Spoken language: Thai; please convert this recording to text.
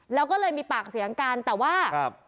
แล้วก็เลยมีปากเสียงกันแต่ว่า